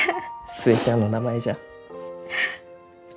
寿恵ちゃんの名前じゃ。